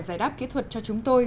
giải đáp kỹ thuật cho chúng tôi